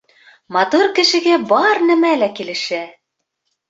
Матур кешегә бар нәмә лә килешә.